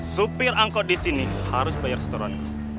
supir angkot disini harus bayar seteran